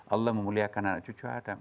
allah memuliakan anak cucu adam